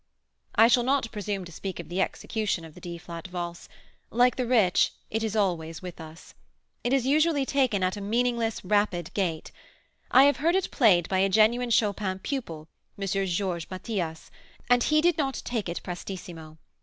I shall not presume to speak of the execution of the D flat Valse; like the rich, it is always with us. It is usually taken at a meaningless, rapid gait. I have heard it played by a genuine Chopin pupil, M. Georges Mathias, and he did not take it prestissimo.